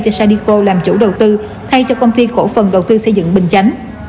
cho sanico làm chủ đầu tư thay cho công ty cổ phần đầu tư xây dựng bình chánh